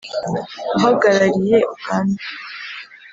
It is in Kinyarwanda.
uhagarariye Uganda